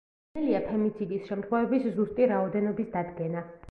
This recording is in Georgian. ძნელია ფემიციდის შემთხვევების ზუსტი რაოდენობის დადგენა.